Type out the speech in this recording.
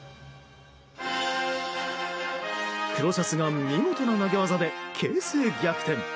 黒シャツが見事な投げ技で形勢逆転。